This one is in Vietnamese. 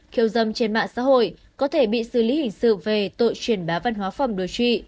khiêu dâm trên mạng xã hội có thể bị xử lý hình sự về tội chuyển bá văn hóa phẩm đối trị